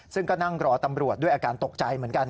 ซึ่งก็นั่งรอตำรวจด้วยอาการตกใจเหมือนกัน